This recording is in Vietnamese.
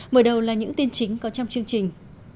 mở đầu là những tin chính có trong chương trình